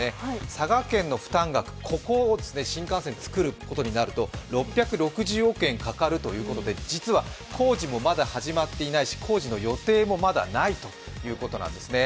佐賀県の負担額、ここを新幹線造ることになると６６０億円かかるということで、実は工事もまだ始まっていないし工事の予定もまだないということなんですね。